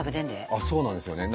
あっそうなんですよね。